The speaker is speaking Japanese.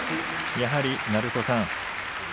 やはり鳴戸さん